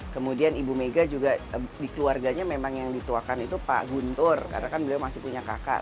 kemudian ibu mega juga di keluarganya memang yang dituakan itu pak guntur karena kan beliau masih punya kakak